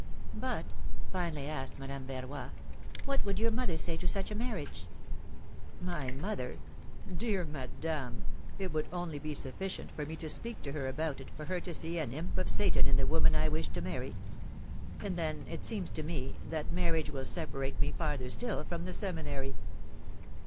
^^But/' finally asked Madame Verroy, ^Svhat would your mother say to such a marriage ?" My mother ? Dear Madame, it would only be suffi cient for me to speak to her about it, for her to see an imp of Satan in the woman I wish to marry. And then, it seems to me, that marriage will separate me farther still from the Seminary."